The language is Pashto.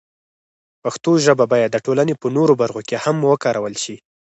پښتو ژبه باید د ټولنې په نورو برخو کې هم وکارول شي.